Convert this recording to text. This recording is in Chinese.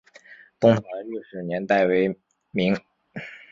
东塔的历史年代为明。